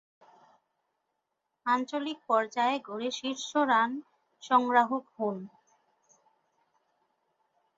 আঞ্চলিক পর্যায়ে গড়ে শীর্ষ রান সংগ্রাহক হন।